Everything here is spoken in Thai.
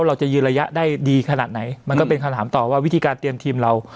เราจะยืนระยะได้ดีขนาดไหนมันก็เป็นคำถามต่อว่าวิธีการเตรียมทีมเรา